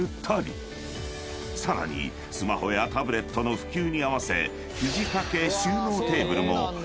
［さらにスマホやタブレットの普及に合わせ］